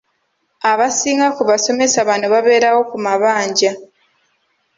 Abasinga ku basomesa bano babeerawo ku mabanja.